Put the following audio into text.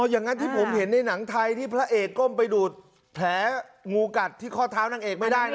อย่างนั้นที่ผมเห็นในหนังไทยที่พระเอกก้มไปดูดแผลงูกัดที่ข้อเท้านางเอกไม่ได้นะ